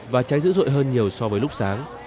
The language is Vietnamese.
và cháy dữ dội hơn nhiều so với lúc sáng